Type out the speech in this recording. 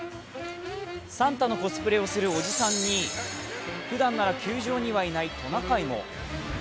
サンタのコスプレをするおじさんにふだんなら球場にはいないトナカイも。